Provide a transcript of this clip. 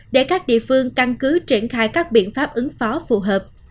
để các địa phương căn cứ triển khai các biện pháp ứng phó phù hợp